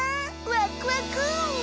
わっくわく！